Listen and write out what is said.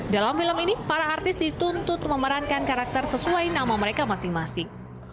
dalam film ini para artis dituntut memerankan karakter sesuai nama mereka masing masing